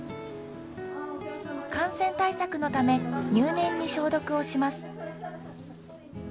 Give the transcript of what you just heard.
感染対策のため入念に消毒をします。